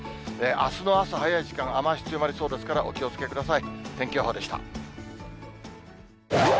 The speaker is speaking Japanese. あすの朝早い時間、雨足強まりそうですから、お気をつけください。